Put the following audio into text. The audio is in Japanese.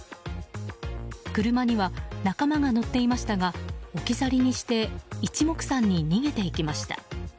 車には仲間が乗っていましたが置き去りにして一目散に逃げていきました。